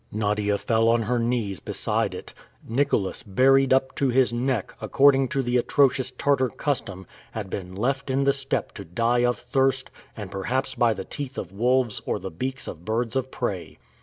Nadia fell on her knees beside it. Nicholas buried up to his neck, according to the atrocious Tartar custom, had been left in the steppe to die of thirst, and perhaps by the teeth of wolves or the beaks of birds of prey!